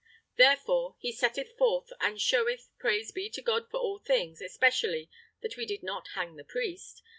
Therefore he setteth forth and showeth praise be to God for all things, especially that we did not hang the priest!